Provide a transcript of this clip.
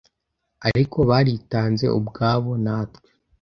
ariko baritanze ubwabo natwe